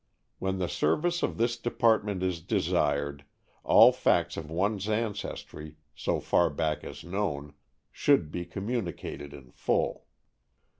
When the service of this department is desired, all facts of one's ancestry, so far back as known, should be communicated in full.